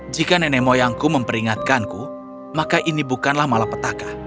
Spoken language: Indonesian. jika nenek moyangku memperingatkanku maka ini bukanlah malapetaka